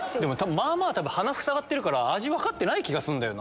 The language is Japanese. まあまあ鼻ふさがってるから味分かってない気がすんだよな。